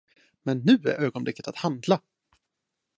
Men nu är ögonblicket att handla.